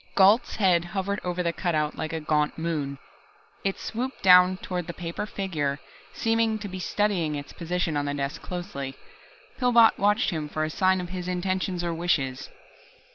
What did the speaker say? Gault's head hovered over the cutout like a gaunt moon. It swooped down toward the paper figure, seemed to be studying its position on the desk closely. Pillbot watched him for a sign of his intentions or wishes.